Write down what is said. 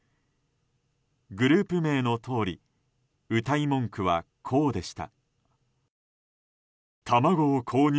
グループ名のとおりうたい文句は、こうでした。